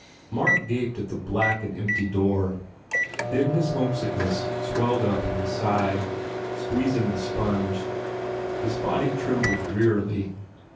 Marked gaped at the black and empty door. Then his homesickness swelled up and he sighed, squeezing the sponge. His body trembled drearily.